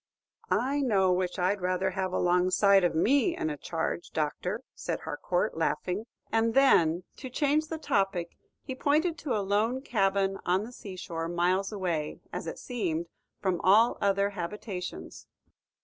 "I know which I 'd rather have alongside of me in a charge, Doctor," said Harcourt, laughing; and then, to change the topic, he pointed to a lone cabin on the sea shore, miles away, as it seemed, from all other habitations.